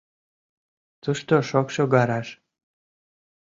Тушто — шокшо гараж.